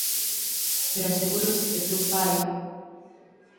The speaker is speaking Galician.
Pero asegúroche que o teu pai